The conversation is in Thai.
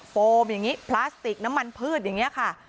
โฟมอย่างนี้พลาสติกน้ำมันพืชอย่างนี้ค่ะ